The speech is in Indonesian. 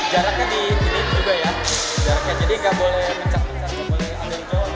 jaraknya jadi gak boleh mencap ncap gak boleh ambil jawab